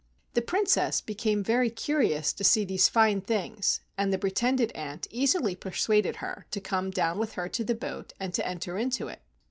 The Princess became very curious to see these fine things, and the pretended aunt easily per¬ suaded her to come down with her to the boat and to enter into it.